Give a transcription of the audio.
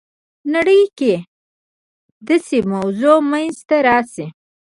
نړۍ کې داسې وضع منځته راسي.